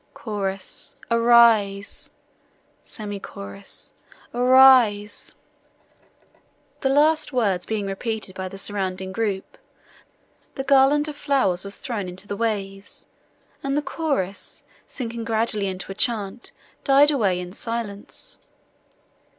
(Chorus)—Arise! (Semi chorus)—Arise! The last words being repeated by the surrounding group, the garland of flowers was thrown into the waves, and the chorus, sinking gradually into a chant, died away in silence.